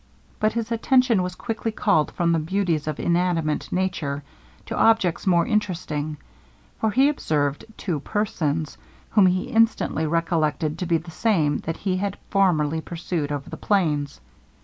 But his attention was quickly called from the beauties of inanimate nature, to objects more interesting; for he observed two persons, whom he instantly recollected to be the same that he had formerly pursued over the plains.